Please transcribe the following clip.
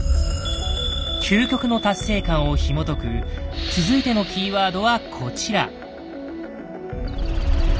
「究極の達成感」をひもとく続いてのキーワードはこちら。